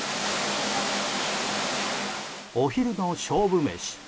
お昼の勝負メシ。